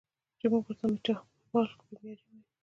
چې مونږ ورته ميټابالک بیمارۍ وايو